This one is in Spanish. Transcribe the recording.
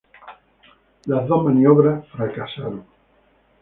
Las dos maniobras fracasaron.